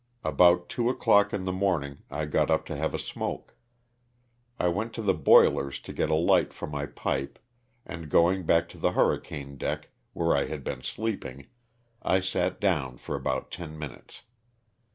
About two o'clock in the morning I got up to have a smoke. I went to the boilers to get a light for my pipe and going back to the hurricane deck, where I had been sleeping, I sat down for about ten minutes.